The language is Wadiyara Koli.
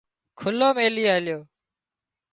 کُلو ميلي آليو